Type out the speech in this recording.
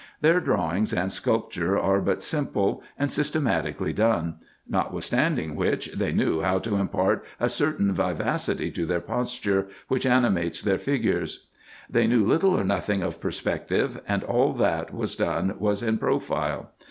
Their drawings and sculpture are but simple, and systematically done ; notwithstanding which, they knew how to impart a certain vivacity to their posture, which animates their figures. They knew little or nothing of perspective, and all that was done was in profile.